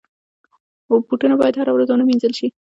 بوټونه باید هره ورځ ونه وینځل شي.